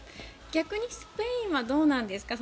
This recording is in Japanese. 逆にスペインはどうなんですか？